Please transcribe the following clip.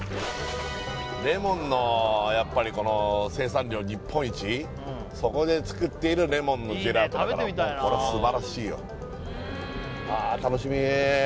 レモンのやっぱりこの生産量日本一そこで作っているレモンのジェラートだからこれは素晴らしいよ